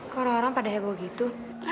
kok orang orang pada heboh gitu